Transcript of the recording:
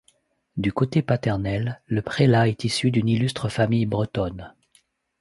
Du côté paternel, le prélat est issu d'une illustre famille bretonne.